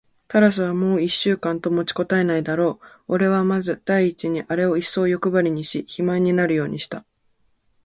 タラスはもう一週間と持ちこたえないだろう。おれはまず第一にあれをいっそうよくばりにし、肥満になるようにした。